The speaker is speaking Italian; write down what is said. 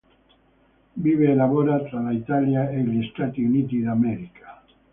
Vive e lavora tra l'Italia e gli Stati Uniti d'America.